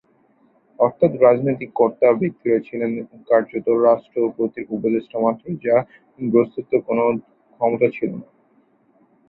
অর্থাৎ রাজনৈতিক কর্তাব্যক্তিরা ছিলেন কার্যত রাষ্ট্রপতির উপদেষ্টা মাত্র, যাদের বস্ত্তত কোনো ক্ষমতা ছিল না।